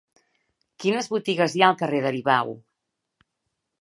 Quines botigues hi ha al carrer d'Aribau?